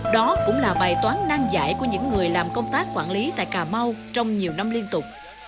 đó cũng là bài toán nang giải của những người làm công tác quản lý tại cà mau trong nhiều năm liên tục